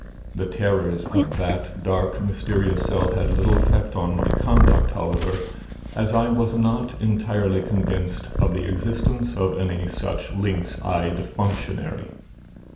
The terrors of that dark, mysterious cell had little effect on my conduct, however, as I was not entirely convinced of the existence of any such lynx eyed functionary.